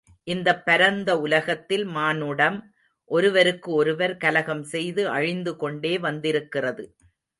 இந்தப் பரந்த உலகத்தில் மானுடம் ஒருவருக்கு ஒருவர் கலகம் செய்து அழிந்து கொண்டே வந்திருக்கிறது.